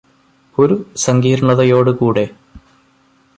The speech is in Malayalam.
ഒരു സങ്കീർണതയോട് കൂടെ